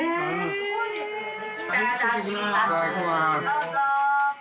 どうぞ。